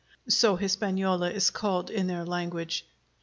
(So Hispaniola is called in their language.)